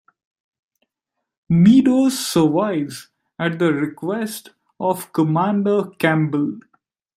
Meadows survives at the request of Commander Campbell.